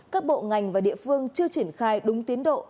các bộ ngành và địa phương chưa triển khai đúng tiến độ